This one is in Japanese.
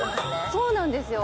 そうなんですよ。